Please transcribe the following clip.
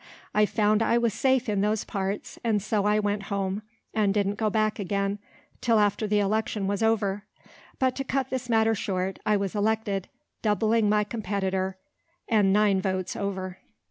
I found I was safe in those parts, and so I went home, and didn't go back again till after the election was over. But to cut this matter short, I was elected, doubling my competitor, and nine votes over.